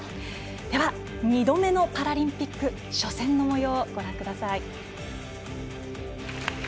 では、２度目のパラリンピック初戦のもようをご覧ください。